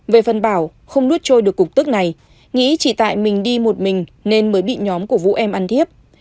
về phần bảo không nuốt trôi được cục tức này nghĩ chỉ tại mình đi một mình nên mới bị nhóm của vũ em ăn thiếp